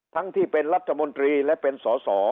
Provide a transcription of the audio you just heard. ทั้งที่เป็นรัฐมนตรีและเป็นสอสอ